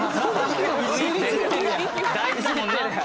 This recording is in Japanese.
大事だもんな。